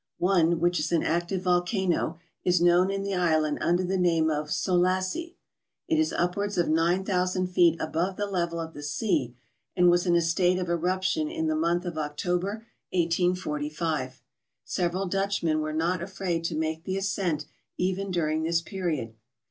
One, which is an active volcano, is known in the island under the name of Soelassie. It is upwards of 9000 feet above the level of the sea, and was in a state of eruption in the month of October 1845. Several Dutchmen were not afraid to make the ascent even during this period.